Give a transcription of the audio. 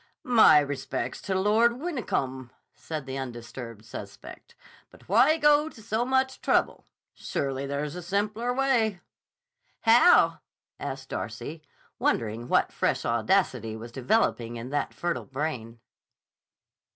"My respects to Lord Wyncombe," said the undisturbed suspect. "But why go to so much trouble? Surely there's a simpler way." "How?" asked Darcy, wondering what fresh audacity was developing in that fertile brain.